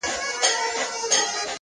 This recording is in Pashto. ورته ښېراوي هر ماښام كومه ـ